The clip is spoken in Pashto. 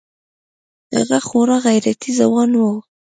هغه خورا غيرتي ځوان و.